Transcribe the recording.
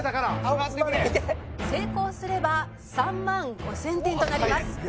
成功すれば３万５０００点となります。